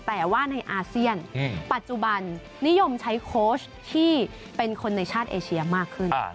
แต่ว่าในอาเซียนปัจจุบันนิยมใช้โค้ชที่เป็นคนในชาติเอเชียมากขึ้น